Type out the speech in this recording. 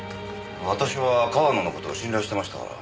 私は川野の事を信頼してましたから。